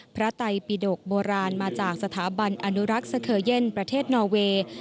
ไตปิดกโบราณมาจากสถาบันอนุรักษ์สเคเย่นประเทศนอเวย์